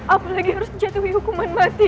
apalagi harus dijatuhi hukuman mati